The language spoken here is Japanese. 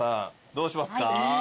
どうします？